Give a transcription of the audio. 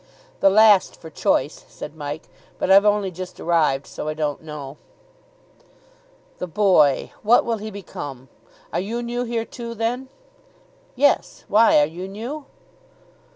"The last, for choice," said Mike, "but I've only just arrived, so I don't know." "The boy what will he become? Are you new here, too, then?" "Yes! Why, are you new?"